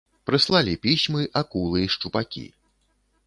Прыслалі пісьмы акулы і шчупакі.